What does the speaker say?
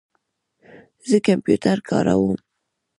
زه کمپیوټر کاروم